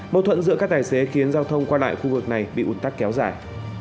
mâu thuẫn giữa các tài xế khiến giao thông qua lại khu vực này bị ủn tắc kéo dài